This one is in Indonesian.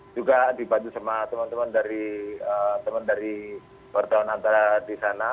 juga dibantu sama teman teman dari wartawan antara di sana